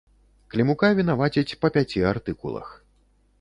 Клімука вінавацяць па пяці артыкулах.